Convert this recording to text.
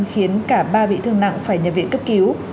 khiến cả ba bị thương nặng phải nhập viện cấp cứu